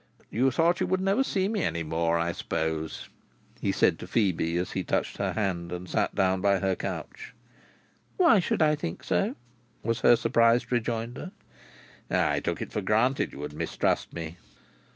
"You thought you would never see me any more, I suppose?" he said to Phœbe as he touched her hand, and sat down by her couch. "Why should I think so!" was her surprised rejoinder. "I took it for granted you would mistrust me."